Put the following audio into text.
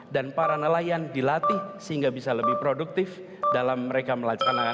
dan para nelayan dilatih sehingga bisa lebih produktif dalam mereka melaksanakan